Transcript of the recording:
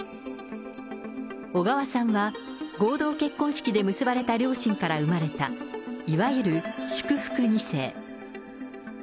小川さんは、合同結婚式で結ばれた両親から生まれた、いわゆる祝福２世。